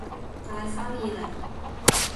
大生意嚟